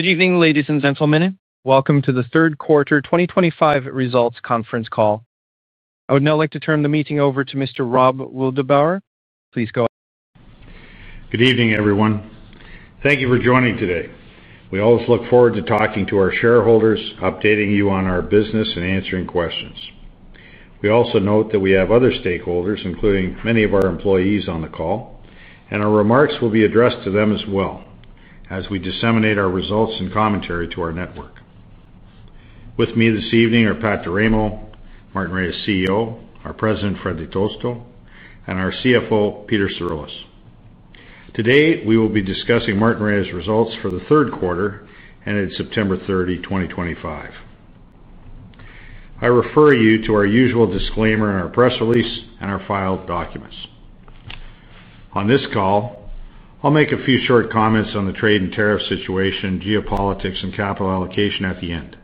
Good evening, ladies and gentlemen. Welcome to the third quarter 2025 results conference call. I would now like to turn the meeting over to Mr. Rob Wildeboer. Please go ahead. Good evening, everyone. Thank you for joining today. We always look forward to talking to our shareholders, updating you on our business, and answering questions. We also note that we have other stakeholders, including many of our employees, on the call, and our remarks will be addressed to them as well as we disseminate our results and commentary to our network. With me this evening are Pat D'Eramo, Martinrea CEO, our President, Fred Di Tosto, and our CFO, Peter Cirulis. Today, we will be discussing Martinrea's results for the third quarter ended September 30, 2025. I refer you to our usual disclaimer and our press release and our filed documents. On this call, I'll make a few short comments on the trade and tariff situation, geopolitics, and capital allocation at the end.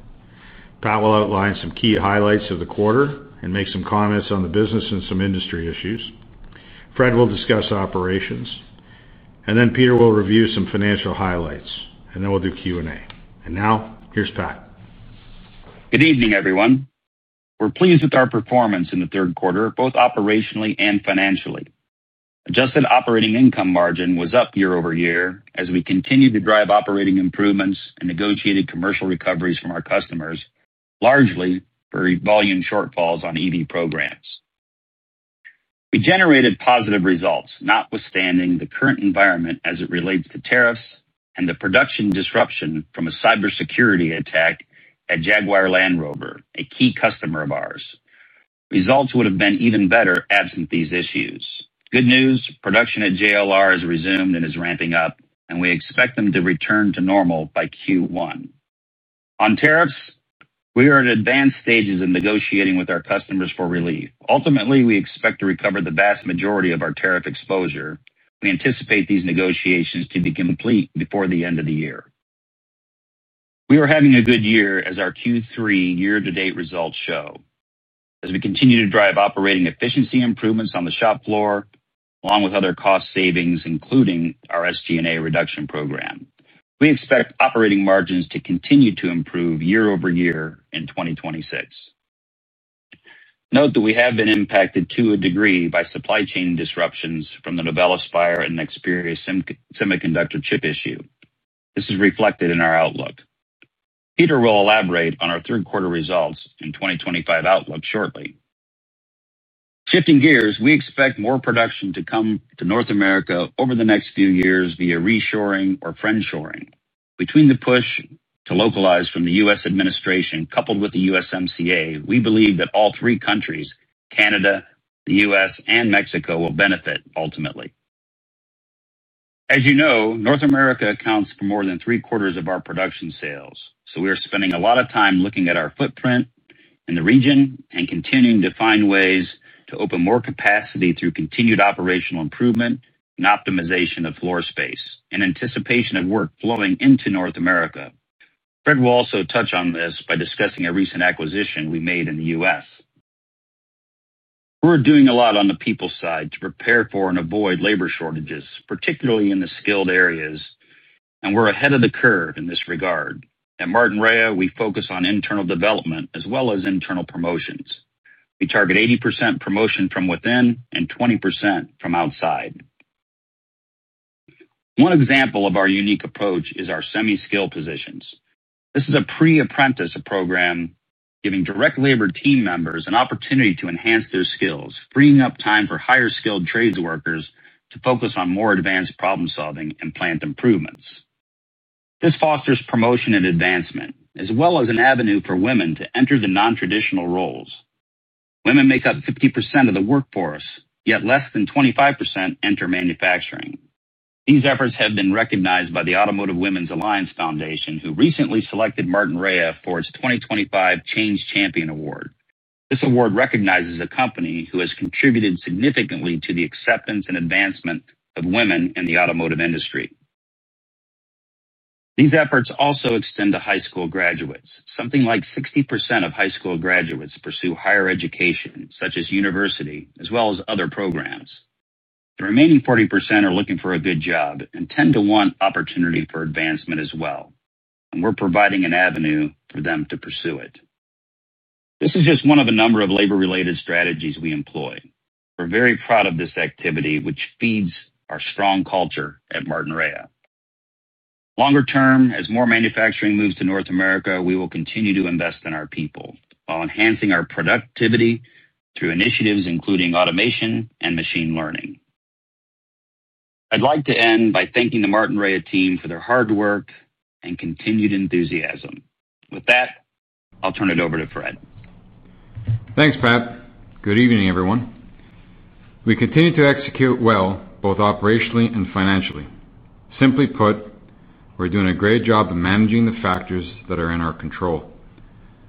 Pat will outline some key highlights of the quarter and make some comments on the business and some industry issues. Fred will discuss operations, and then Peter will review some financial highlights, and then we'll do Q&A. Now, here's Pat. Good evening, everyone. We're pleased with our performance in the third quarter, both operationally and financially. Adjusted operating income margin was up year over year as we continued to drive operating improvements and negotiated commercial recoveries from our customers, largely for volume shortfalls on EV programs. We generated positive results, notwithstanding the current environment as it relates to tariffs and the production disruption from a cybersecurity attack at Jaguar Land Rover, a key customer of ours. Results would have been even better absent these issues. Good news: production at Jaguar Land Rover has resumed and is ramping up, and we expect them to return to normal by Q1. On tariffs, we are at advanced stages of negotiating with our customers for relief. Ultimately, we expect to recover the vast majority of our tariff exposure. We anticipate these negotiations to be complete before the end of the year. We were having a good year as our Q3 year-to-date results show, as we continue to drive operating efficiency improvements on the shop floor along with other cost savings, including our SG&A reduction program. We expect operating margins to continue to improve year over year in 2026. Note that we have been impacted to a degree by supply chain disruptions from the Novelis fire and Nexperia semiconductor chip issue. This is reflected in our outlook. Peter will elaborate on our third quarter results and 2025 outlook shortly. Shifting gears, we expect more production to come to North America over the next few years via reshoring or friendshoring. Between the push to localize from the U.S. administration coupled with the USMCA, we believe that all three countries, Canada, the U.S., and Mexico, will benefit ultimately. As you know, North America accounts for more than three quarters of our production sales, so we are spending a lot of time looking at our footprint in the region and continuing to find ways to open more capacity through continued operational improvement and optimization of floor space in anticipation of work flowing into North America. Fred will also touch on this by discussing a recent acquisition we made in the U.S. We're doing a lot on the people's side to prepare for and avoid labor shortages, particularly in the skilled areas, and we're ahead of the curve in this regard. At Martinrea, we focus on internal development as well as internal promotions. We target 80% promotion from within and 20% from outside. One example of our unique approach is our semi-skill positions. This is a pre-apprentice program, giving direct labor team members an opportunity to enhance their skills, freeing up time for higher skilled trades workers to focus on more advanced problem-solving and plant improvements. This fosters promotion and advancement, as well as an avenue for women to enter the non-traditional roles. Women make up 50% of the workforce, yet less than 25% enter manufacturing. These efforts have been recognized by the Automotive Women's Alliance Foundation, who recently selected Martinrea for its 2025 Change Champion Award. This award recognizes a company who has contributed significantly to the acceptance and advancement of women in the automotive industry. These efforts also extend to high school graduates. Something like 60% of high school graduates pursue higher education, such as university, as well as other programs. The remaining 40% are looking for a good job and tend to want opportunity for advancement as well, and we're providing an avenue for them to pursue it. This is just one of a number of labor-related strategies we employ. We're very proud of this activity, which feeds our strong culture at Martinrea. Longer term, as more manufacturing moves to North America, we will continue to invest in our people while enhancing our productivity through initiatives including automation and machine learning. I'd like to end by thanking the Martinrea team for their hard work and continued enthusiasm. With that, I'll turn it over to Fred. Thanks, Pat. Good evening, everyone. We continue to execute well, both operationally and financially. Simply put, we're doing a great job of managing the factors that are in our control.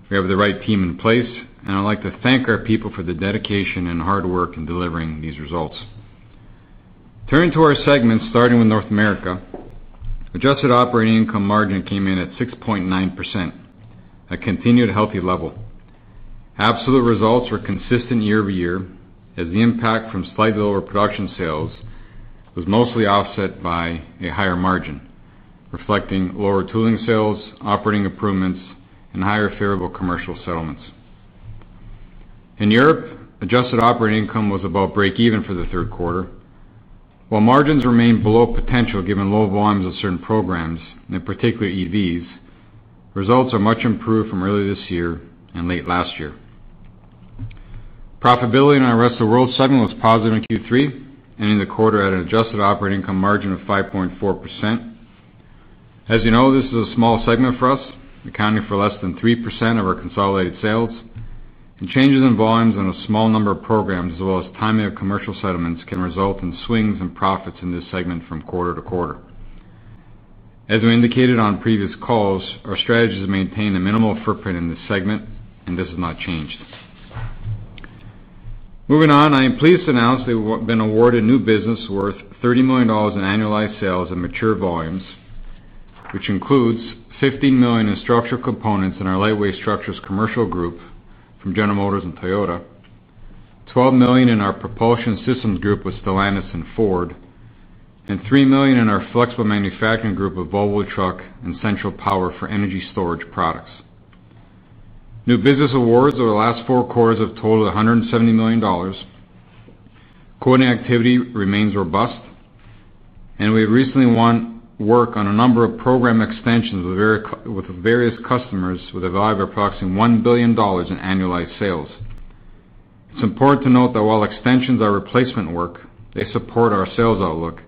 We have the right team in place, and I'd like to thank our people for the dedication and hard work in delivering these results. Turning to our segment, starting with North America, adjusted operating income margin came in at 6.9%, a continued healthy level. Absolute results were consistent year over year, as the impact from slightly lower production sales was mostly offset by a higher margin, reflecting lower tooling sales, operating improvements, and higher favorable commercial settlements. In Europe, adjusted operating income was about break-even for the third quarter. While margins remain below potential given low volumes of certain programs, and particularly EVs, results are much improved from early this year and late last year. Profitability in our rest of the world segment was positive in Q3, ending the quarter at an adjusted operating income margin of 5.4%. As you know, this is a small segment for us, accounting for less than 3% of our consolidated sales. Changes in volumes and a small number of programs, as well as timing of commercial settlements, can result in swings in profits in this segment from quarter to quarter. As we indicated on previous calls, our strategy has maintained a minimal footprint in this segment, and this has not changed. Moving on, I am pleased to announce that we've been awarded new business worth $30 million in annualized sales and mature volumes, which includes $15 million in structural components in our lightweight structures commercial group from General Motors and Toyota, $12 million in our propulsion systems group with Stellantis and Ford, and $3 million in our flexible manufacturing group of Volvo Trucks and Central Power for energy storage products. New business awards over the last four quarters have totaled $170 million. Quoting activity remains robust, and we have recently won work on a number of program extensions with various customers with a value of approximately $1 billion in annualized sales. It's important to note that while extensions are replacement work, they support our sales outlook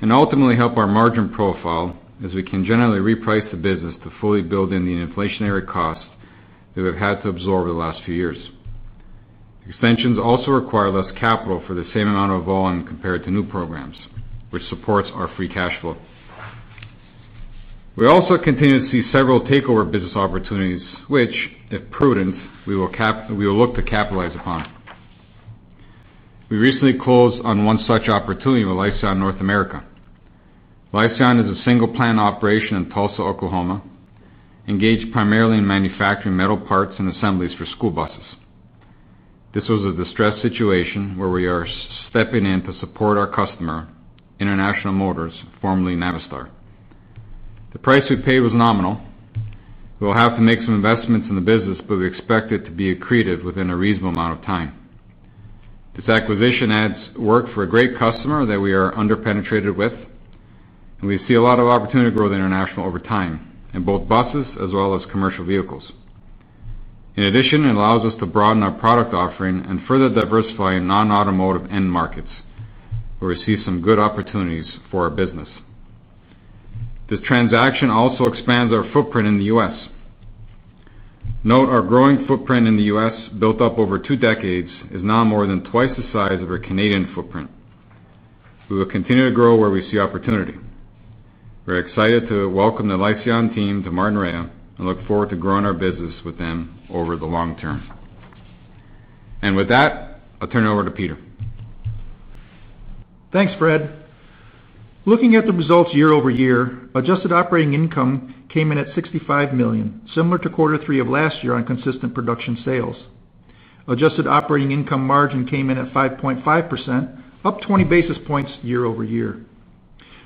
and ultimately help our margin profile, as we can generally reprice the business to fully build in the inflationary costs that we've had to absorb over the last few years. Extensions also require less capital for the same amount of volume compared to new programs, which supports our free cash flow. We also continue to see several takeover business opportunities, which, if prudent, we will look to capitalize upon. We recently closed on one such opportunity with Lyseon North America. Lyseon is a single plant operation in Tulsa, Oklahoma, engaged primarily in manufacturing metal parts and assemblies for school buses. This was a distressed situation where we are stepping in to support our customer, International Truck, formerly Navistar. The price we paid was nominal. We will have to make some investments in the business, but we expect it to be accretive within a reasonable amount of time. This acquisition adds work for a great customer that we are underpenetrated with, and we see a lot of opportunity to grow the international over time, in both buses as well as commercial vehicles. In addition, it allows us to broaden our product offering and further diversify in non-automotive end markets, where we see some good opportunities for our business. This transaction also expands our footprint in the U.S. Note our growing footprint in the U.S., built up over two decades, is now more than twice the size of our Canadian footprint. We will continue to grow where we see opportunity. We're excited to welcome the Lyseon team to Martinrea and look forward to growing our business with them over the long term. With that, I'll turn it over to Peter. Thanks, Fred. Looking at the results year over year, adjusted operating income came in at $65 million, similar to quarter three of last year on consistent production sales. Adjusted operating income margin came in at 5.5%, up 20 basis points year over year.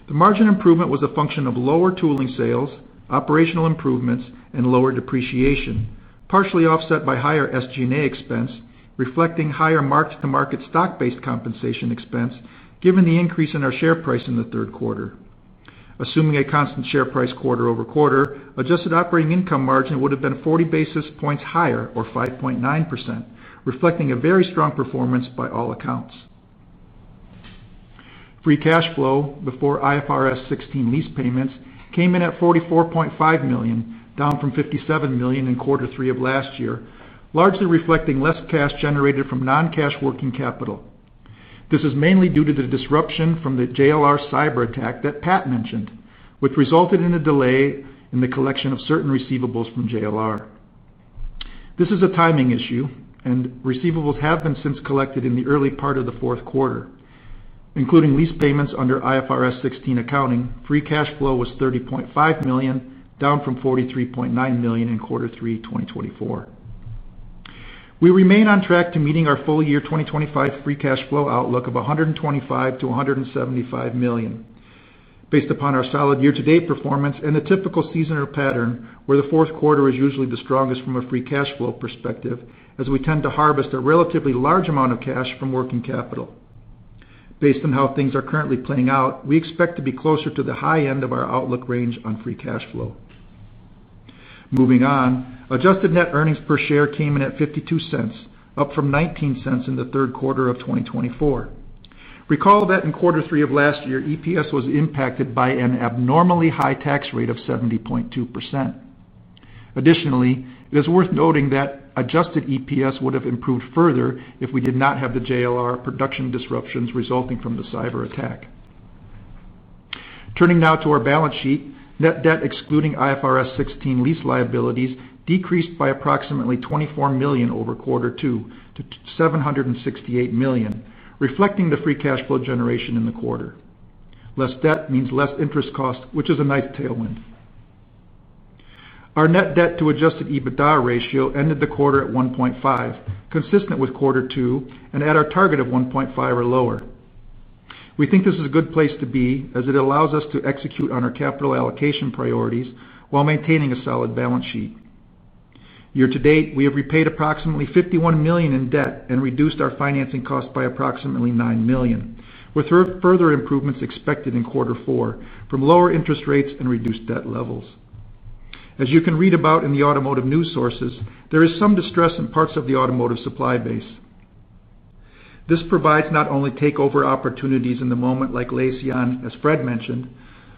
The margin improvement was a function of lower tooling sales, operational improvements, and lower depreciation, partially offset by higher SG&A expense, reflecting higher mark-to-market stock-based compensation expense, given the increase in our share price in the third quarter. Assuming a constant share price quarter over quarter, adjusted operating income margin would have been 40 basis points higher, or 5.9%, reflecting a very strong performance by all accounts. Free cash flow before IFRS 16 lease payments came in at $44.5 million, down from $57 million in quarter three of last year, largely reflecting less cash generated from non-cash working capital. This is mainly due to the disruption from the JLR cyber attack that Pat mentioned, which resulted in a delay in the collection of certain receivables from JLR. This is a timing issue, and receivables have been since collected in the early part of the fourth quarter. Including lease payments under IFRS 16 accounting, free cash flow was $30.5 million, down from $43.9 million in quarter three 2024. We remain on track to meeting our full year 2025 free cash flow outlook of $125 million-$175 million, based upon our solid year-to-date performance and the typical seasonal pattern, where the fourth quarter is usually the strongest from a free cash flow perspective, as we tend to harvest a relatively large amount of cash from working capital. Based on how things are currently playing out, we expect to be closer to the high end of our outlook range on free cash flow. Moving on, adjusted net earnings per share came in at $0.52, up from $0.19 in the third quarter of 2024. Recall that in quarter three of last year, EPS was impacted by an abnormally high tax rate of 70.2%. Additionally, it is worth noting that adjusted EPS would have improved further if we did not have the JLR production disruptions resulting from the cyber attack. Turning now to our balance sheet, net debt excluding IFRS 16 lease liabilities decreased by approximately $24 million over quarter two to $768 million, reflecting the free cash flow generation in the quarter. Less debt means less interest costs, which is a nice tailwind. Our net debt to Adjusted EBITDA ratio ended the quarter at 1.5, consistent with quarter two and at our target of 1.5 or lower. We think this is a good place to be, as it allows us to execute on our capital allocation priorities while maintaining a solid balance sheet. Year to date, we have repaid approximately $51 million in debt and reduced our financing costs by approximately $9 million, with further improvements expected in quarter four from lower interest rates and reduced debt levels. As you can read about in the automotive news sources, there is some distress in parts of the automotive supply base. This provides not only takeover opportunities in the moment like Lyseon, as Fred mentioned,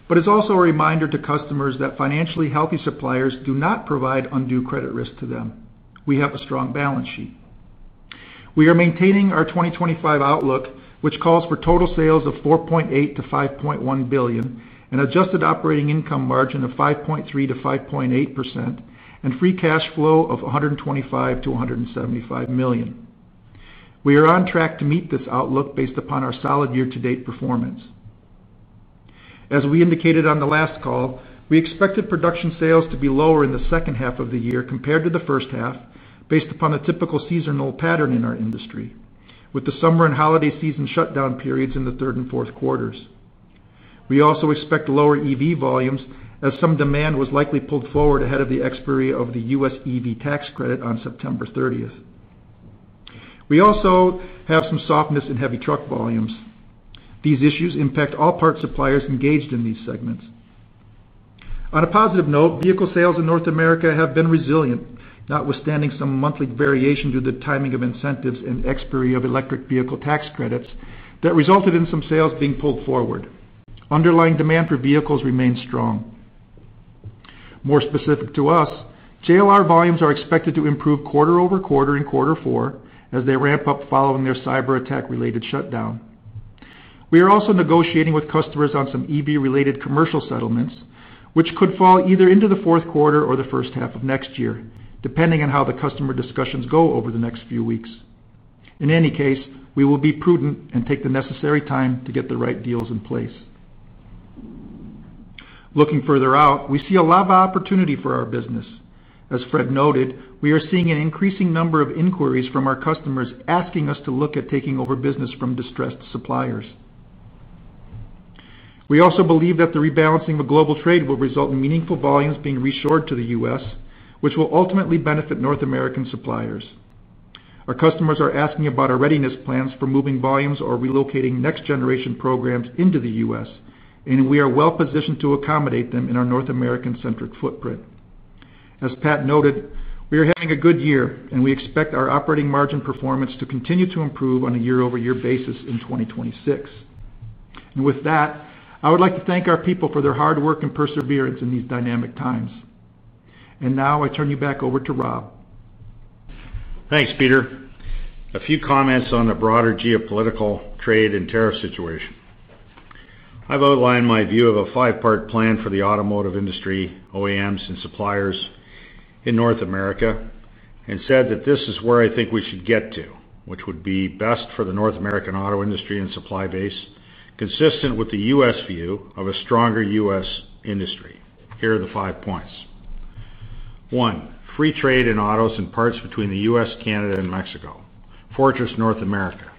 but is also a reminder to customers that financially healthy suppliers do not provide undue credit risk to them. We have a strong balance sheet. We are maintaining our 2025 outlook, which calls for total sales of $4.8 billion-$5.1 billion, an adjusted operating income margin of 5.3%-5.8%, and free cash flow of $125 million-$175 million. We are on track to meet this outlook based upon our solid year-to-date performance. As we indicated on the last call, we expected production sales to be lower in the second half of the year compared to the first half, based upon a typical seasonal pattern in our industry, with the summer and holiday season shutdown periods in the third and fourth quarters. We also expect lower EV volumes, as some demand was likely pulled forward ahead of the expiry of the U.S. EV tax credit on September 30th. We also have some softness in heavy truck volumes. These issues impact all parts suppliers engaged in these segments. On a positive note, vehicle sales in North America have been resilient, notwithstanding some monthly variation due to the timing of incentives and expiry of electric vehicle tax credits that resulted in some sales being pulled forward. Underlying demand for vehicles remains strong. More specific to us, JLR volumes are expected to improve quarter over quarter in quarter four, as they ramp up following their cyber attack-related shutdown. We are also negotiating with customers on some EV-related commercial settlements, which could fall either into the fourth quarter or the first half of next year, depending on how the customer discussions go over the next few weeks. In any case, we will be prudent and take the necessary time to get the right deals in place. Looking further out, we see a lot of opportunity for our business. As Fred noted, we are seeing an increasing number of inquiries from our customers asking us to look at taking over business from distressed suppliers. We also believe that the rebalancing of global trade will result in meaningful volumes being reshored to the U.S., which will ultimately benefit North American suppliers. Our customers are asking about our readiness plans for moving volumes or relocating next-generation programs into the U.S., and we are well-positioned to accommodate them in our North American-centric footprint. As Pat noted, we are having a good year, and we expect our operating margin performance to continue to improve on a year-over-year basis in 2026. I would like to thank our people for their hard work and perseverance in these dynamic times. I now turn you back over to Rob. Thanks, Peter. A few comments on the broader geopolitical trade and tariff situation. I've outlined my view of a five-part plan for the automotive industry, OEMs, and suppliers in North America, and said that this is where I think we should get to, which would be best for the North American auto industry and supply base, consistent with the U.S. view of a stronger U.S. industry. Here are the five points. One, free trade in autos and parts between the U.S., Canada, and Mexico. Fortress North America.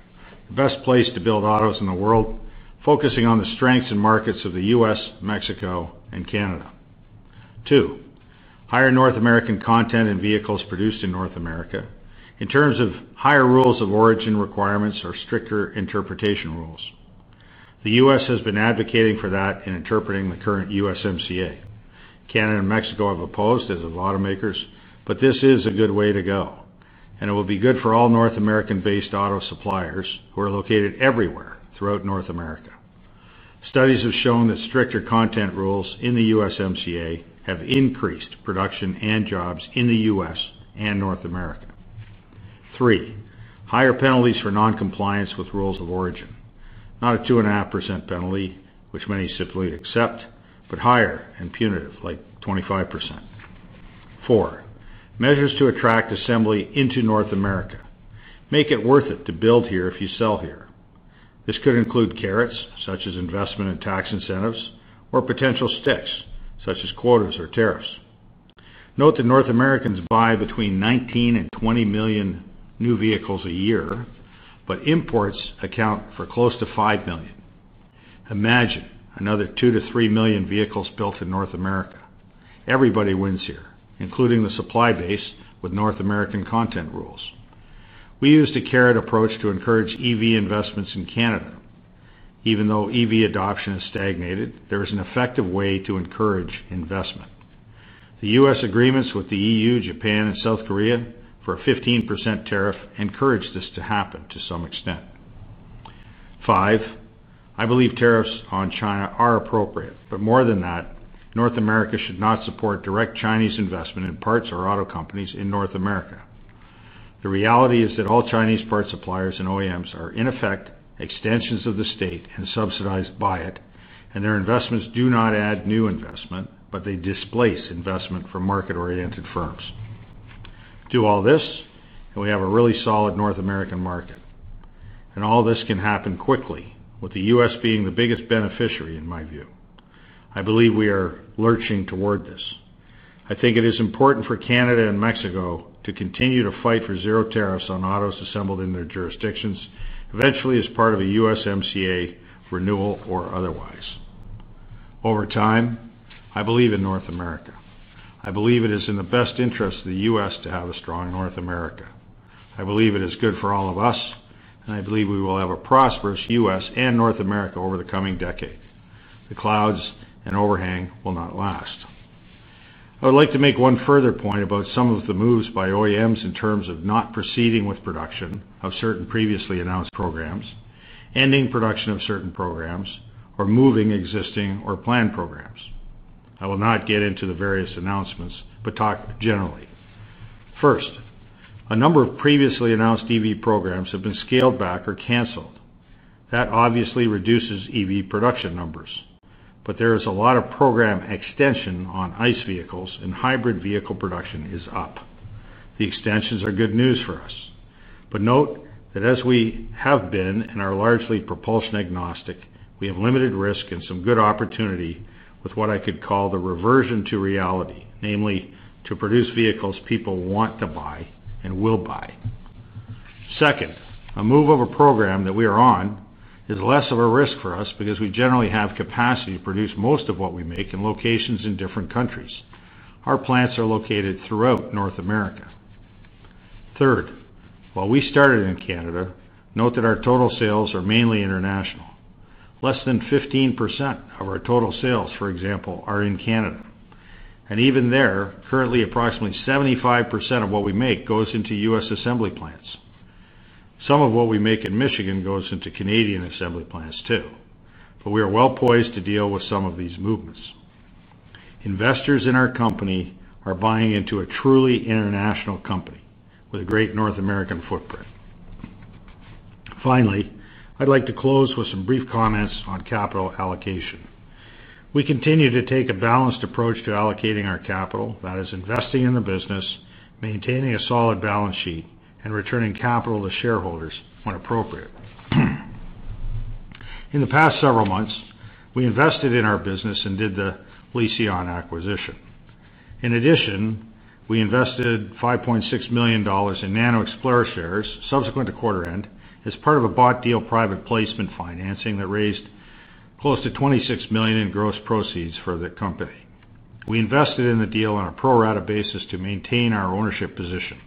The best place to build autos in the world, focusing on the strengths and markets of the U.S., Mexico, and Canada. Two, higher North American content and vehicles produced in North America, in terms of higher rules of origin requirements or stricter interpretation rules. The U.S. has been advocating for that in interpreting the current USMCA. Canada and Mexico have opposed as of automakers, but this is a good way to go, and it will be good for all North American-based auto suppliers who are located everywhere throughout North America. Studies have shown that stricter content rules in the USMCA have increased production and jobs in the U.S. and North America. Three, higher penalties for non-compliance with rules of origin. Not a 2.5% penalty, which many simply accept, but higher and punitive, like 25%. Four, measures to attract assembly into North America. Make it worth it to build here if you sell here. This could include carrots, such as investment and tax incentives, or potential sticks, such as quotas or tariffs. Note that North Americans buy between $19 million and $20 million new vehicles a year, but imports account for close to $5 million. Imagine another $2 million to $3 million vehicles built in North America. Everybody wins here, including the supply base with North American content rules. We use the carrot approach to encourage EV investments in Canada. Even though EV adoption has stagnated, there is an effective way to encourage investment. The U.S. agreements with the EU, Japan, and South Korea for a 15% tariff encouraged this to happen to some extent. Five, I believe tariffs on China are appropriate, but more than that, North America should not support direct Chinese investment in parts or auto companies in North America. The reality is that all Chinese parts suppliers and OEMs are, in effect, extensions of the state and subsidized by it, and their investments do not add new investment, but they displace investment from market-oriented firms. Do all this, and we have a really solid North American market. All this can happen quickly, with the U.S. being the biggest beneficiary, in my view. I believe we are lurching toward this. I think it is important for Canada and Mexico to continue to fight for zero tariffs on autos assembled in their jurisdictions, eventually as part of a USMCA renewal or otherwise. Over time, I believe in North America. I believe it is in the best interest of the U.S. to have a strong North America. I believe it is good for all of us, and I believe we will have a prosperous U.S. and North America over the coming decade. The clouds and overhang will not last. I would like to make one further point about some of the moves by OEMs in terms of not proceeding with production of certain previously announced programs, ending production of certain programs, or moving existing or planned programs. I will not get into the various announcements, but talk generally. First, a number of previously announced EV programs have been scaled back or canceled. That obviously reduces EV production numbers, but there is a lot of program extension on ICE vehicles, and hybrid vehicle production is up. The extensions are good news for us. Note that as we have been and are largely propulsion agnostic, we have limited risk and some good opportunity with what I could call the reversion to reality, namely to produce vehicles people want to buy and will buy. Second, a move of a program that we are on is less of a risk for us because we generally have capacity to produce most of what we make in locations in different countries. Our plants are located throughout North America. Third, while we started in Canada, note that our total sales are mainly international. Less than 15% of our total sales, for example, are in Canada. Even there, currently approximately 75% of what we make goes into U.S. assembly plants. Some of what we make in Michigan goes into Canadian assembly plants, too. We are well poised to deal with some of these movements. Investors in our company are buying into a truly international company with a great North American footprint. Finally, I'd like to close with some brief comments on capital allocation. We continue to take a balanced approach to allocating our capital, that is, investing in the business, maintaining a solid balance sheet, and returning capital to shareholders when appropriate. In the past several months, we invested in our business and did the Lyseon acquisition. In addition, we invested $5.6 million in NanoXplore shares subsequent to quarter end as part of a bought deal private placement financing that raised close to $26 million in gross proceeds for the company. We invested in the deal on a pro-rata basis to maintain our ownership position.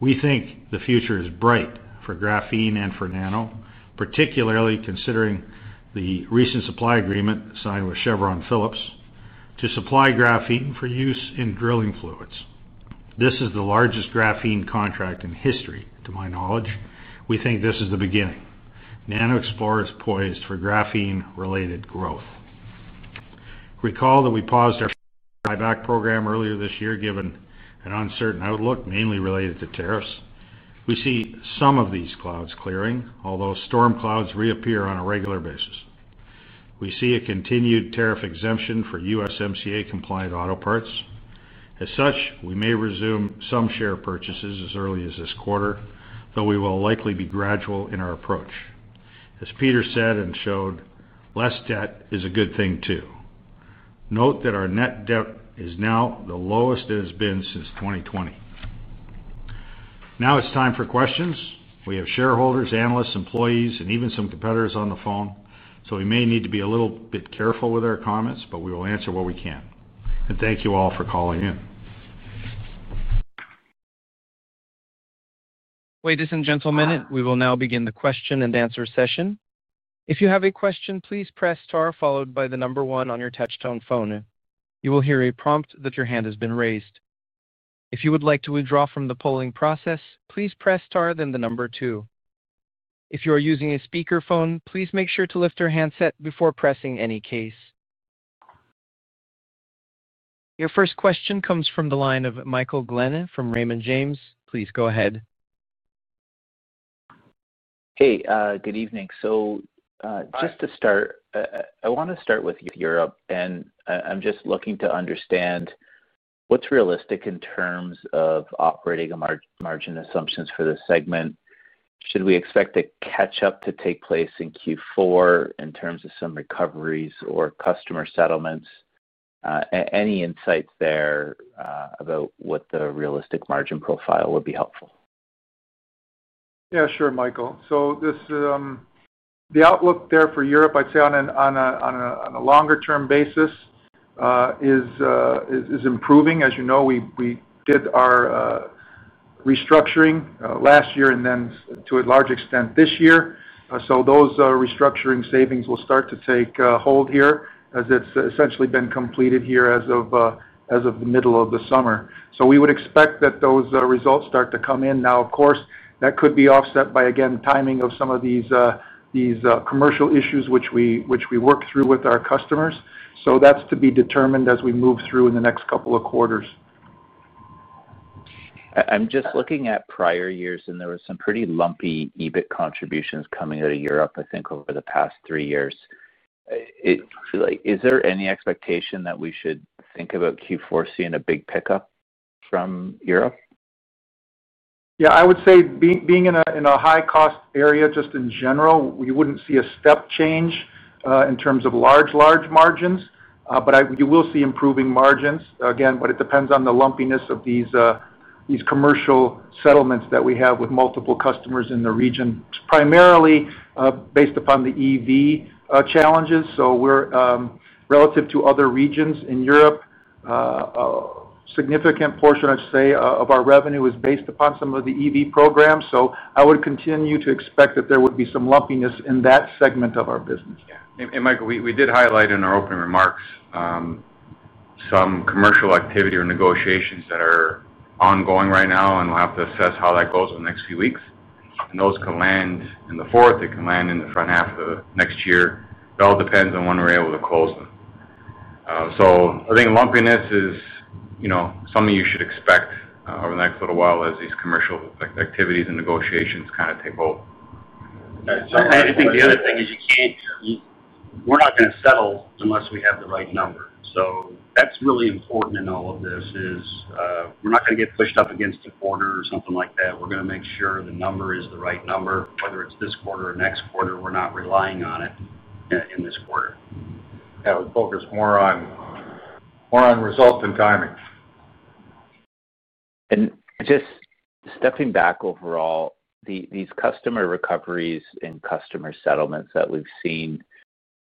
We think the future is bright for graphene and for Nano, particularly considering the recent supply agreement signed with Chevron Phillips to supply graphene for use in drilling fluids. This is the largest graphene contract in history, to my knowledge. We think this is the beginning. NanoXplore is poised for graphene-related growth. Recall that we paused our buyback program earlier this year given an uncertain outlook, mainly related to tariffs. We see some of these clouds clearing, although storm clouds reappear on a regular basis. We see a continued tariff exemption for USMCA-compliant auto parts. As such, we may resume some share purchases as early as this quarter, though we will likely be gradual in our approach. As Peter said and showed, less debt is a good thing, too. Note that our net debt is now the lowest it has been since 2020. Now it is time for questions. We have shareholders, analysts, employees, and even some competitors on the phone, so we may need to be a little bit careful with our comments, but we will answer what we can. Thank you all for calling in. Ladies and gentlemen, we will now begin the question and answer session. If you have a question, please press star followed by the number one on your touch-tone phone. You will hear a prompt that your hand has been raised. If you would like to withdraw from the polling process, please press star, then the number two. If you are using a speakerphone, please make sure to lift your handset before pressing any keys. Your first question comes from the line of Michael Glennon from Raymond James. Please go ahead. Hey, good evening. Just to start, I want to start with Europe, and I'm just looking to understand what's realistic in terms of operating margin assumptions for the segment. Should we expect a catch-up to take place in Q4 in terms of some recoveries or customer settlements? Any insights there about what the realistic margin profile would be helpful? Yeah, sure, Michael. The outlook there for Europe, I'd say on a longer-term basis, is improving. As you know, we did our restructuring last year and then, to a large extent, this year. Those restructuring savings will start to take hold here as it's essentially been completed here as of the middle of the summer. We would expect that those results start to come in. Now, of course, that could be offset by, again, timing of some of these commercial issues which we work through with our customers. That's to be determined as we move through in the next couple of quarters. I'm just looking at prior years, and there were some pretty lumpy EBIT contributions coming out of Europe, I think, over the past three years. Is there any expectation that we should think about Q4 seeing a big pickup from Europe? Yeah, I would say being in a high-cost area just in general, we would not see a step change in terms of large, large margins, but you will see improving margins. Again, it depends on the lumpiness of these commercial settlements that we have with multiple customers in the region, primarily based upon the EV challenges. Relative to other regions in Europe, a significant portion, I would say, of our revenue is based upon some of the EV programs. I would continue to expect that there would be some lumpiness in that segment of our business. Michael, we did highlight in our opening remarks some commercial activity or negotiations that are ongoing right now, and we'll have to assess how that goes over the next few weeks. Those could land in the fourth. They can land in the front half of next year. It all depends on when we're able to close them. I think lumpiness is something you should expect over the next little while as these commercial activities and negotiations kind of take hold. I think the other thing is we're not going to settle unless we have the right number. That is really important in all of this, we are not going to get pushed up against a quarter or something like that. We are going to make sure the number is the right number, whether it is this quarter or next quarter. We are not relying on it in this quarter. Yeah, we focus more on results than timing. Just stepping back overall, these customer recoveries and customer settlements that we've seen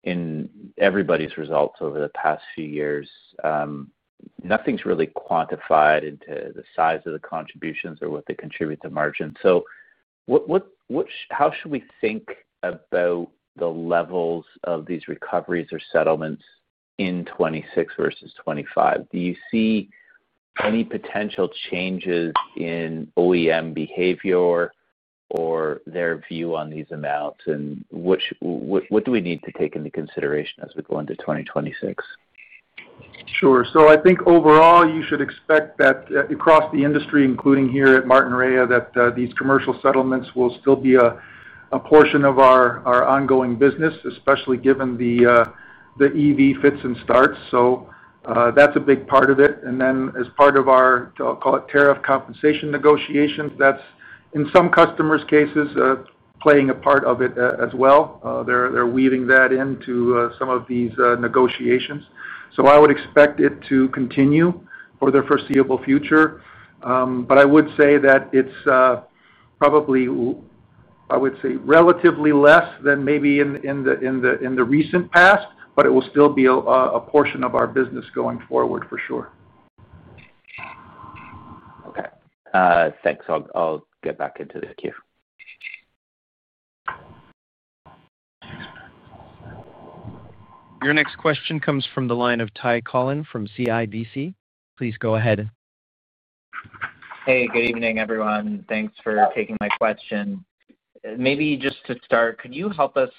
in everybody's results over the past few years, nothing's really quantified into the size of the contributions or what they contribute to margin. How should we think about the levels of these recoveries or settlements in 2026 versus 2025? Do you see any potential changes in OEM behavior or their view on these amounts? What do we need to take into consideration as we go into 2026? Sure. I think overall, you should expect that across the industry, including here at Martinrea, these commercial settlements will still be a portion of our ongoing business, especially given the EV fits and starts. That is a big part of it. As part of our, I'll call it, tariff compensation negotiations, that is in some customers' cases playing a part of it as well. They are weaving that into some of these negotiations. I would expect it to continue for the foreseeable future. I would say that it is probably, I would say, relatively less than maybe in the recent past, but it will still be a portion of our business going forward, for sure. Okay. Thanks. I'll get back into the queue. Your next question comes from the line of Ty Collin from CIBC. Please go ahead. Hey, good evening, everyone. Thanks for taking my question. Maybe just to start, could you help us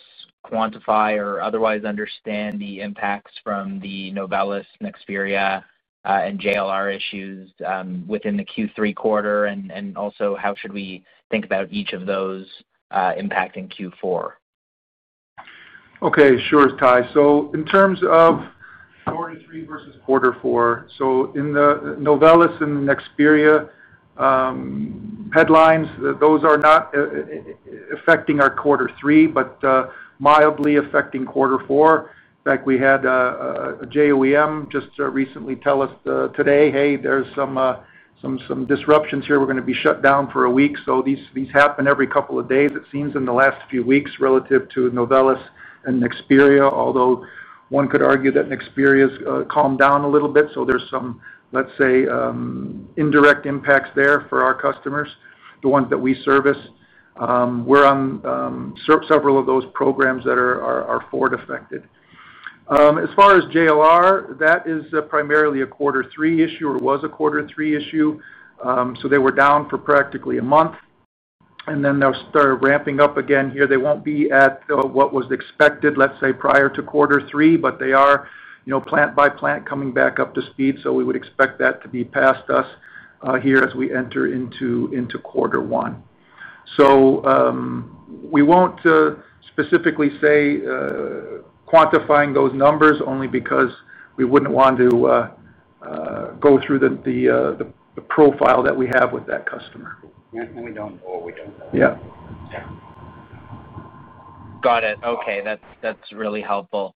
quantify or otherwise understand the impacts from the Novelis, Nexperia, and JLR issues within the Q3 quarter? Also, how should we think about each of those impacting Q4? Okay, sure, Ty. In terms of quarter three versus quarter four, in the Novelis and Nexperia headlines, those are not affecting our quarter three, but mildly affecting quarter four. In fact, we had a JOEM just recently tell us today, "Hey, there's some disruptions here. We're going to be shut down for a week." These happen every couple of days, it seems, in the last few weeks relative to Novelis and Nexperia, although one could argue that Nexperia has calmed down a little bit. There are some, let's say, indirect impacts there for our customers, the ones that we service. We're on several of those programs that are forward-affected. As far as JLR, that is primarily a quarter three issue or was a quarter three issue. They were down for practically a month, and then they'll start ramping up again here. They won't be at what was expected, let's say, prior to quarter three, but they are plant by plant coming back up to speed. We would expect that to be past us here as we enter into quarter one. We won't specifically say quantifying those numbers only because we wouldn't want to go through the profile that we have with that customer. We don't know what we don't know. Yeah. Yeah. Got it. Okay. That's really helpful.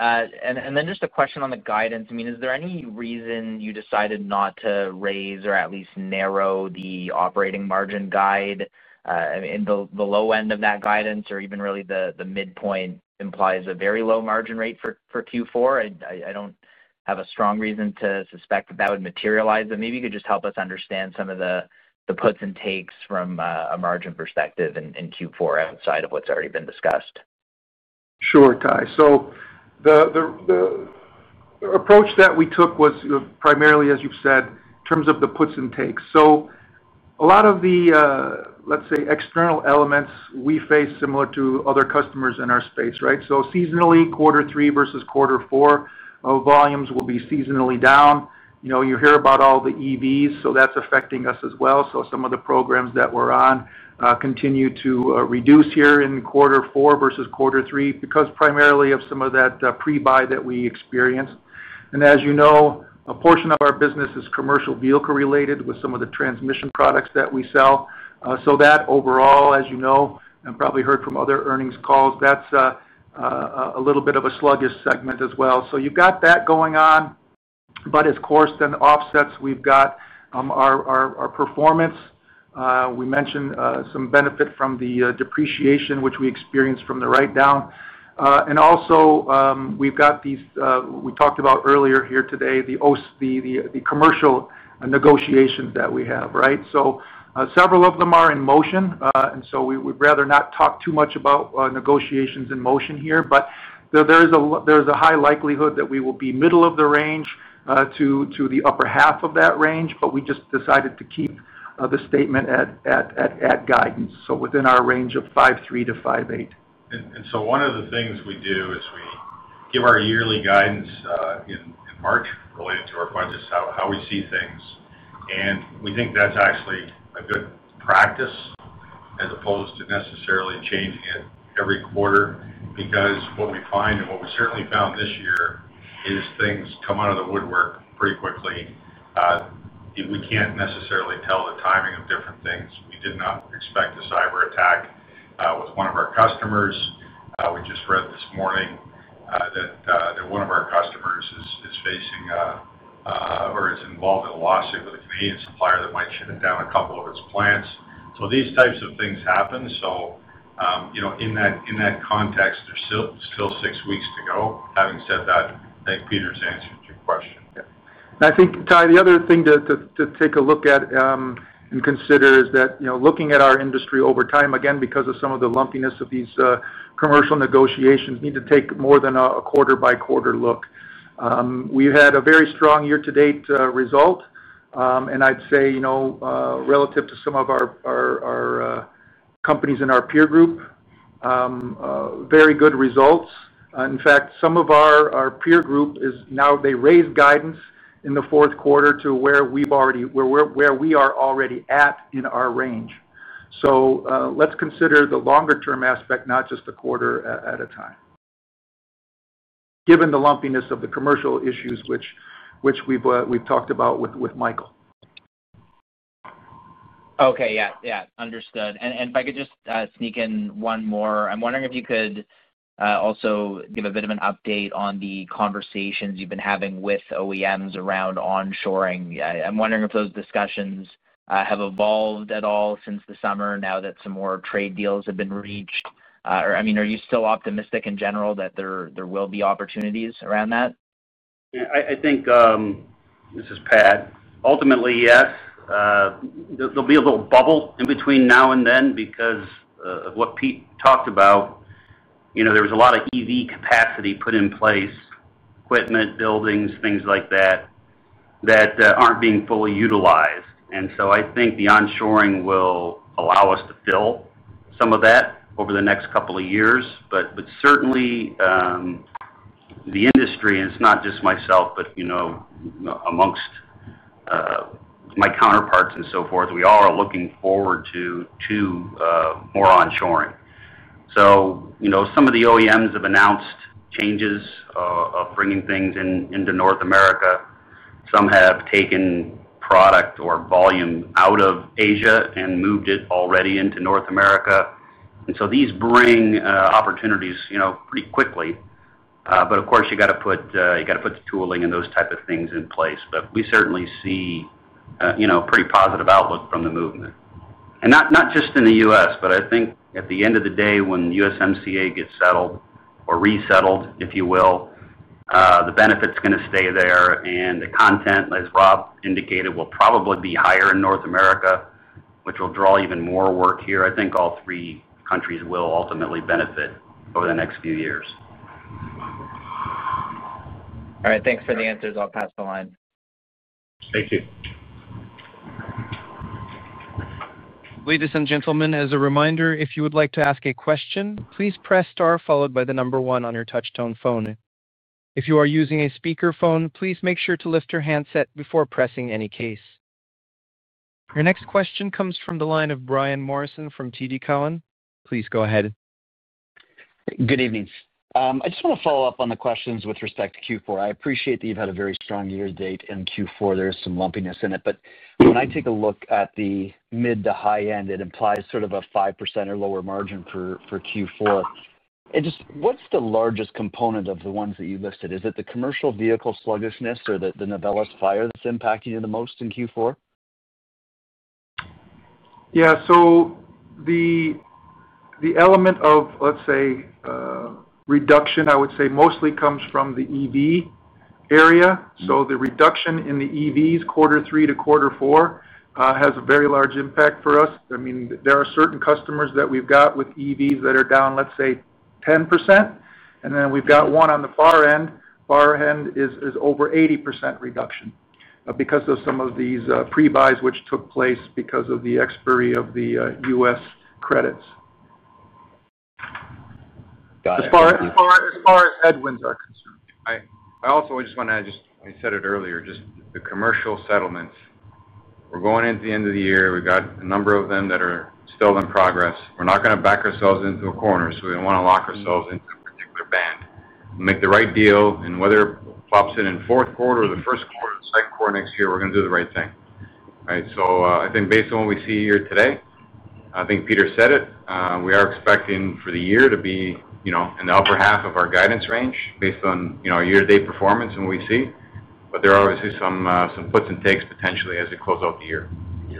And then just a question on the guidance. I mean, is there any reason you decided not to raise or at least narrow the operating margin guide? The low end of that guidance, or even really the midpoint, implies a very low margin rate for Q4. I don't have a strong reason to suspect that that would materialize. But maybe you could just help us understand some of the puts and takes from a margin perspective in Q4 outside of what's already been discussed. Sure, Ty. The approach that we took was primarily, as you've said, in terms of the puts and takes. A lot of the, let's say, external elements we face are similar to other customers in our space, right? Seasonally, quarter three versus quarter four volumes will be seasonally down. You hear about all the EVs, so that's affecting us as well. Some of the programs that we're on continue to reduce here in quarter four versus quarter three because primarily of some of that pre-buy that we experienced. As you know, a portion of our business is commercial vehicle-related with some of the transmission products that we sell. That overall, as you know, and probably heard from other earnings calls, is a little bit of a sluggish segment as well. You've got that going on, but as course then offsets, we've got our performance. We mentioned some benefit from the depreciation, which we experienced from the write-down. Also, we've got these we talked about earlier here today, the commercial negotiations that we have, right? Several of them are in motion. We'd rather not talk too much about negotiations in motion here, but there is a high likelihood that we will be middle of the range to the upper half of that range, but we just decided to keep the statement at guidance. Within our range of 5.3-5.8%. One of the things we do is we give our yearly guidance in March related to our budgets, how we see things. We think that is actually a good practice as opposed to necessarily changing it every quarter because what we find, and what we certainly found this year, is things come out of the woodwork pretty quickly. We cannot necessarily tell the timing of different things. We did not expect a cyber attack with one of our customers. We just read this morning that one of our customers is facing or is involved in a lawsuit with a Canadian supplier that might shut down a couple of its plants. These types of things happen. In that context, there are still six weeks to go. Having said that, I think Peter's answered your question. Yeah. I think, Ty, the other thing to take a look at and consider is that looking at our industry over time, again, because of some of the lumpiness of these commercial negotiations, need to take more than a quarter-by-quarter look. We had a very strong year-to-date result, and I'd say relative to some of our companies in our peer group, very good results. In fact, some of our peer group is now they raised guidance in the fourth quarter to where we are already at in our range. Let's consider the longer-term aspect, not just the quarter at a time, given the lumpiness of the commercial issues which we've talked about with Michael. Okay. Yeah. Yeah. Understood. If I could just sneak in one more, I'm wondering if you could also give a bit of an update on the conversations you've been having with OEMs around onshoring. I'm wondering if those discussions have evolved at all since the summer now that some more trade deals have been reached. I mean, are you still optimistic in general that there will be opportunities around that? Yeah. I think, this is Pat, ultimately, yes. There'll be a little bubble in between now and then because of what Pete talked about. There was a lot of EV capacity put in place, equipment, buildings, things like that, that aren't being fully utilized. I think the onshoring will allow us to fill some of that over the next couple of years. Certainly, the industry, and it's not just myself, but amongst my counterparts and so forth, we all are looking forward to more onshoring. Some of the OEMs have announced changes of bringing things into North America. Some have taken product or volume out of Asia and moved it already into North America. These bring opportunities pretty quickly. Of course, you got to put the tooling and those type of things in place. We certainly see a pretty positive outlook from the movement. Not just in the U.S., but I think at the end of the day, when USMCA gets settled or resettled, if you will, the benefit's going to stay there. The content, as Rob indicated, will probably be higher in North America, which will draw even more work here. I think all three countries will ultimately benefit over the next few years. All right. Thanks for the answers. I'll pass the line. Thank you. Ladies and gentlemen, as a reminder, if you would like to ask a question, please press star followed by the number one on your touchtone phone. If you are using a speakerphone, please make sure to lift your handset before pressing any keys. Your next question comes from the line of Brian Morrison from TD Cowen. Please go ahead. Good evening. I just want to follow up on the questions with respect to Q4. I appreciate that you've had a very strong year-to-date in Q4. There is some lumpiness in it. When I take a look at the mid to high end, it implies sort of a 5% or lower margin for Q4. Just what's the largest component of the ones that you listed? Is it the commercial vehicle sluggishness or the Novelis fire that's impacting you the most in Q4? Yeah. The element of, let's say, reduction, I would say, mostly comes from the EV area. The reduction in the EVs quarter three to quarter four has a very large impact for us. I mean, there are certain customers that we've got with EVs that are down, let's say, 10%. Then we've got one on the far end. Far end is over 80% reduction because of some of these pre-buys which took place because of the expiry of the U.S. credits. Got it. As far as headwinds are concerned. I also just want to add, just I said it earlier, just the commercial settlements. We're going into the end of the year. We've got a number of them that are still in progress. We're not going to back ourselves into a corner. We don't want to lock ourselves into a particular band. Make the right deal. Whether it pops in in fourth quarter or the first quarter or the second quarter next year, we're going to do the right thing. Right? I think based on what we see here today, I think Peter said it, we are expecting for the year to be in the upper half of our guidance range based on year-to-date performance and what we see. There are obviously some puts and takes potentially as we close out the year.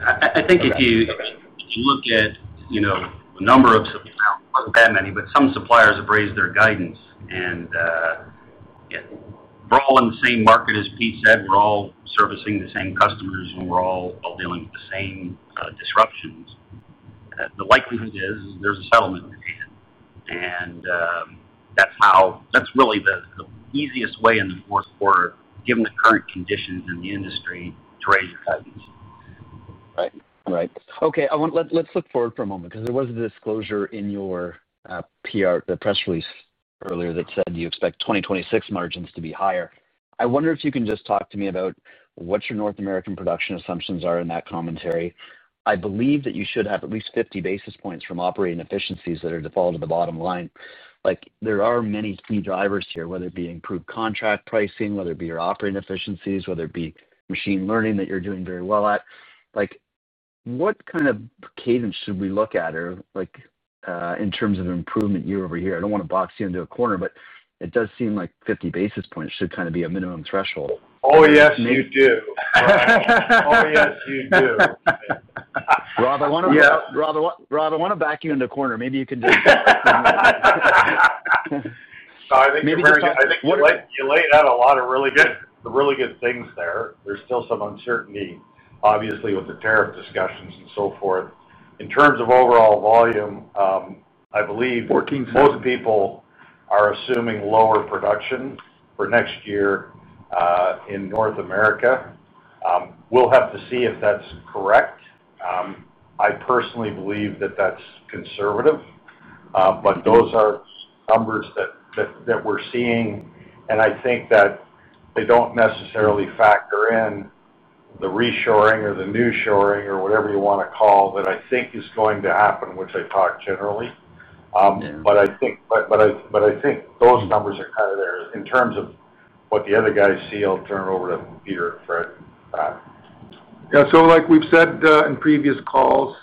I think if you look at the number of suppliers, not many, but some suppliers have raised their guidance. We're all in the same market, as Pete said. We're all servicing the same customers, and we're all dealing with the same disruptions. The likelihood is there's a settlement needed. That's really the easiest way in the fourth quarter, given the current conditions in the industry, to raise your guidance. Right. Right. Okay. Let's look forward for a moment because there was a disclosure in your press release earlier that said you expect 2026 margins to be higher. I wonder if you can just talk to me about what your North American production assumptions are in that commentary. I believe that you should have at least 50 basis points from operating efficiencies that are defaulted to the bottom line. There are many key drivers here, whether it be improved contract pricing, whether it be your operating efficiencies, whether it be machine learning that you're doing very well at. What kind of cadence should we look at in terms of improvement year over year? I don't want to box you into a corner, but it does seem like 50 basis points should kind of be a minimum threshold. Oh, yes, you do. Oh, yes, you do. Rob, I want to back you into a corner. Maybe you can do something. I think you laid out a lot of really good things there. There is still some uncertainty, obviously, with the tariff discussions and so forth. In terms of overall volume, I believe most people are assuming lower production for next year in North America. We will have to see if that is correct. I personally believe that is conservative. Those are numbers that we are seeing. I think that they do not necessarily factor in the reshoring or the new shoring or whatever you want to call that I think is going to happen, which I talk generally. I think those numbers are kind of there in terms of what the other guys see. I will turn it over to Peter and Fred. Yeah. Like we've said in previous calls,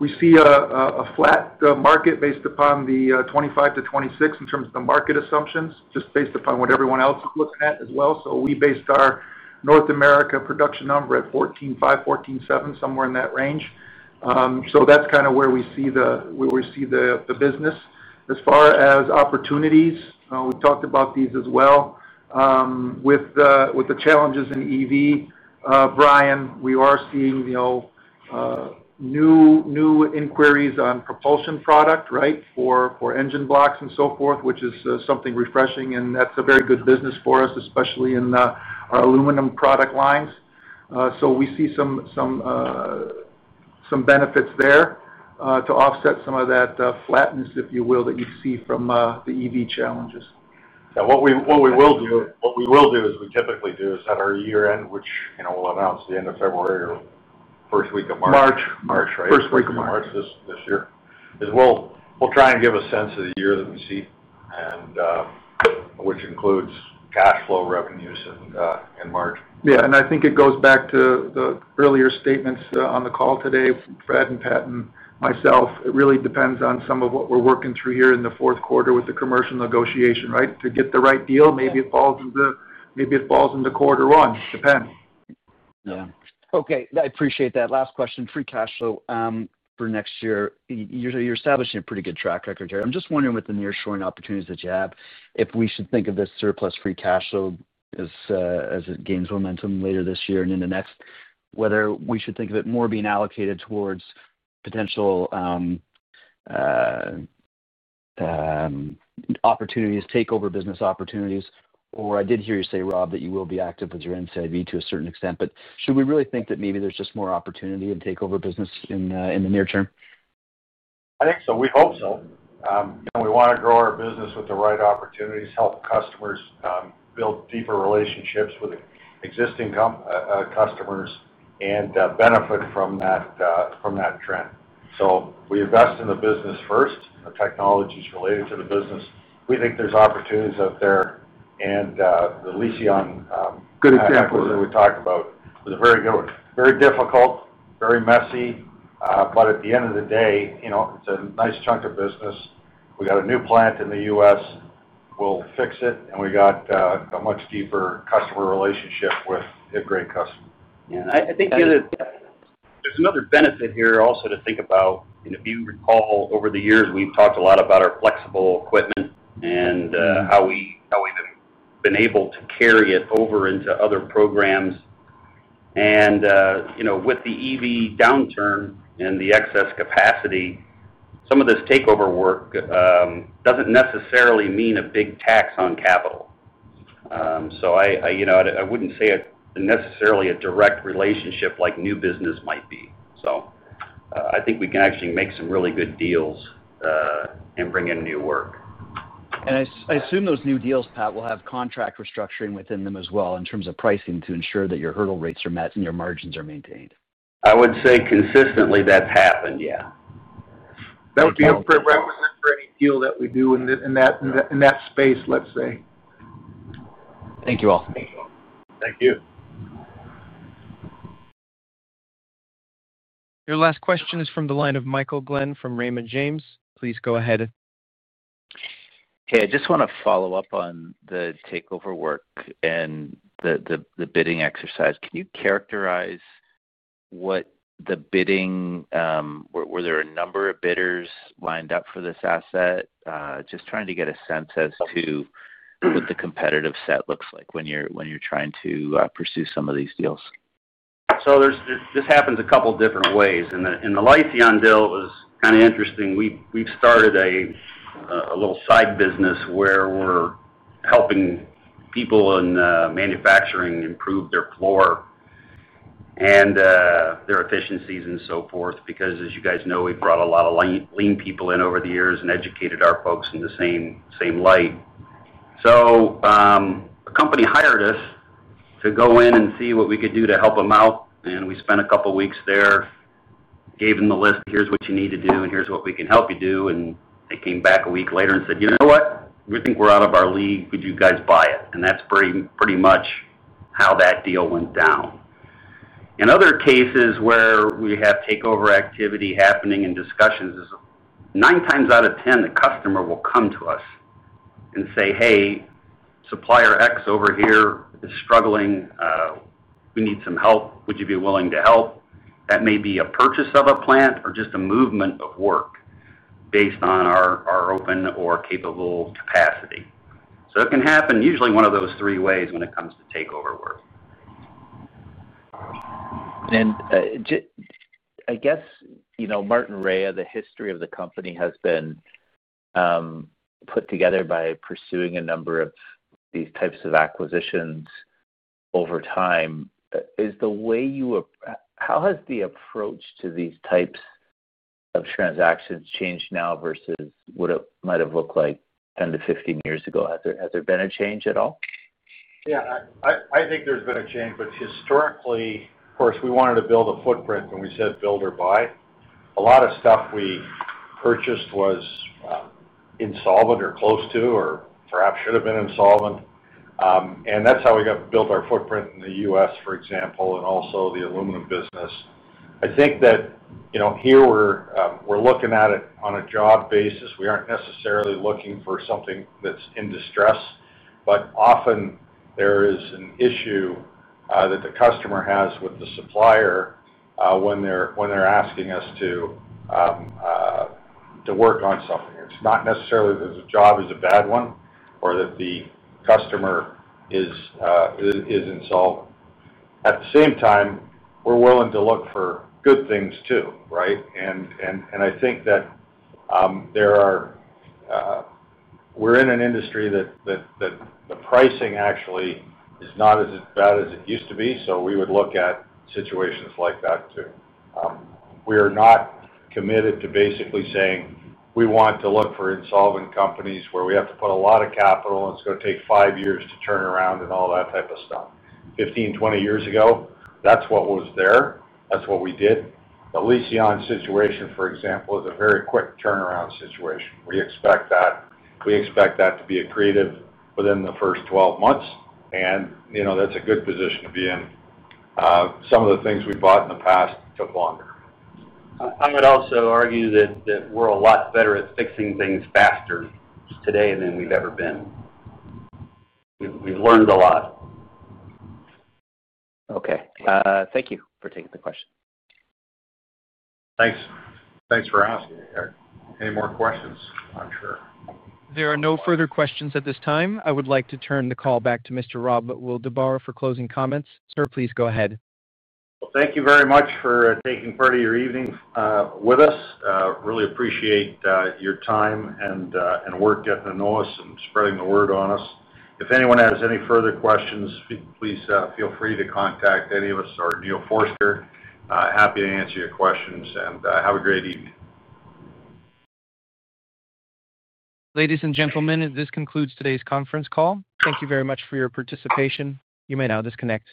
we see a flat market based upon the 2025 to 2026 in terms of the market assumptions, just based upon what everyone else is looking at as well. We based our North America production number at 14.5-14.7, somewhere in that range. That's kind of where we see the business. As far as opportunities, we've talked about these as well. With the challenges in EV, Brian, we are seeing new inquiries on propulsion product, right, for engine blocks and so forth, which is something refreshing. That's a very good business for us, especially in our aluminum product lines. We see some benefits there to offset some of that flatness, if you will, that you see from the EV challenges. Yeah. What we will do is we typically do is at our year-end, which we’ll announce the end of February or first week of March. March. March, right? First week of March. March this year. We'll try and give a sense of the year that we see, which includes cash flow revenues in March. Yeah. I think it goes back to the earlier statements on the call today, Fred and Pat and myself. It really depends on some of what we're working through here in the fourth quarter with the commercial negotiation, right? To get the right deal, maybe it falls into quarter one. Depends. Yeah. Okay. I appreciate that. Last question. Free cash flow for next year. You're establishing a pretty good track record here. I'm just wondering with the nearshoring opportunities that you have, if we should think of this surplus free cash flow as it gains momentum later this year and in the next, whether we should think of it more being allocated towards potential opportunities, takeover business opportunities. I did hear you say, Rob, that you will be active with your NCIB to a certain extent. Should we really think that maybe there's just more opportunity and takeover business in the near term? I think so. We hope so. We want to grow our business with the right opportunities, help customers build deeper relationships with existing customers, and benefit from that trend. We invest in the business first, the technologies related to the business. We think there's opportunities out there. And the Lyseon. Good example. We talked about was a very good one. Very difficult, very messy. At the end of the day, it's a nice chunk of business. We got a new plant in the U.S. We'll fix it. We got a much deeper customer relationship with a great customer. Yeah. I think there's another benefit here also to think about. If you recall, over the years, we've talked a lot about our flexible equipment and how we've been able to carry it over into other programs. With the EV downturn and the excess capacity, some of this takeover work doesn't necessarily mean a big tax on capital. I wouldn't say necessarily a direct relationship like new business might be. I think we can actually make some really good deals and bring in new work. I assume those new deals, Pat, will have contract restructuring within them as well in terms of pricing to ensure that your hurdle rates are met and your margins are maintained. I would say consistently that's happened. Yeah. That would be a prerequisite for any deal that we do in that space, let's say. Thank you all. Thank you. Thank you. Your last question is from the line of Michael Glen from Raymond James. Please go ahead. Hey, I just want to follow up on the takeover work and the bidding exercise. Can you characterize what the bidding, were there a number of bidders lined up for this asset? Just trying to get a sense as to what the competitive set looks like when you're trying to pursue some of these deals. This happens a couple of different ways. In the Lyseon Automotive North America deal, it was kind of interesting. We've started a little side business where we're helping people in manufacturing improve their floor and their efficiencies and so forth because, as you guys know, we've brought a lot of lean people in over the years and educated our folks in the same light. A company hired us to go in and see what we could do to help them out. We spent a couple of weeks there, gave them the list, "Here's what you need to do, and here's what we can help you do." They came back a week later and said, "You know what? We think we're out of our league. Would you guys buy it?" That's pretty much how that deal went down. In other cases where we have takeover activity happening and discussions, nine times out of ten, the customer will come to us and say, "Hey, supplier X over here is struggling. We need some help. Would you be willing to help?" That may be a purchase of a plant or just a movement of work based on our open or capable capacity. It can happen usually one of those three ways when it comes to takeover work. I guess, Martinrea, the history of the company has been put together by pursuing a number of these types of acquisitions over time. Is the way you, how has the approach to these types of transactions changed now versus what it might have looked like 10-15 years ago? Has there been a change at all? Yeah. I think there's been a change. Historically, of course, we wanted to build a footprint, and we said, "Build or buy." A lot of stuff we purchased was insolvent or close to or perhaps should have been insolvent. That's how we got to build our footprint in the U.S., for example, and also the aluminum business. I think that here we're looking at it on a job basis. We aren't necessarily looking for something that's in distress. Often, there is an issue that the customer has with the supplier when they're asking us to work on something. It's not necessarily that the job is a bad one or that the customer is insolvent. At the same time, we're willing to look for good things too, right? I think that we're in an industry that the pricing actually is not as bad as it used to be. We would look at situations like that too. We are not committed to basically saying, "We want to look for insolvent companies where we have to put a lot of capital, and it's going to take five years to turn around," and all that type of stuff. Fifteen, twenty years ago, that's what was there. That's what we did. The Lyseon Automotive North America situation, for example, is a very quick turnaround situation. We expect that. We expect that to be accretive within the first 12 months. That's a good position to be in. Some of the things we bought in the past took longer. I would also argue that we're a lot better at fixing things faster today than we've ever been. We've learned a lot. Okay. Thank you for taking the question. Thanks. Thanks for asking. Any more questions, I'm sure. There are no further questions at this time. I would like to turn the call back to Mr. Rob Wildeboer for closing comments. Sir, please go ahead. Thank you very much for taking part of your evening with us. Really appreciate your time and work at the NOAA and spreading the word on us. If anyone has any further questions, please feel free to contact any of us or Neil Forster. Happy to answer your questions. Have a great evening. Ladies and gentlemen, this concludes today's conference call. Thank you very much for your participation. You may now disconnect.